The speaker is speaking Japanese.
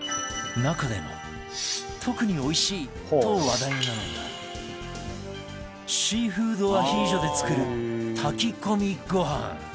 中でも特においしいと話題なのがシーフードアヒージョで作る炊き込みご飯